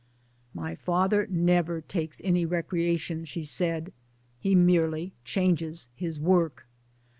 " My father never takes any recreation," she said, " he merely, changes his work."